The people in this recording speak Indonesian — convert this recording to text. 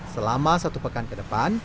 selama satu pekan ke depan